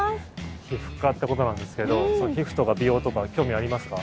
皮膚科ってことなんですけど皮膚とか美容とか興味ありますか？